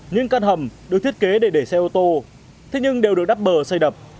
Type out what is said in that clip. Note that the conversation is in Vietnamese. những căn hầm được thiết kế để để xe ô tô thế nhưng đều được đắp bờ xây đập